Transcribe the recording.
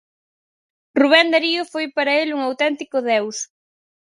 Rubén Darío foi para el un auténtico deus.